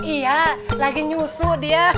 iya lagi nyusu dia